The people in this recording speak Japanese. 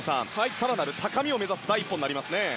更なる高みを目指す第一歩になりますね。